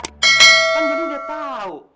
kan johnny nggak tau